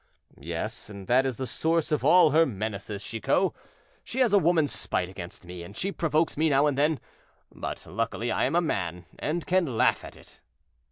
"Yes, and that is the source of all her menaces, Chicot; she has a woman's spite against me, and she provokes me now and then, but luckily I am a man, and can laugh at it."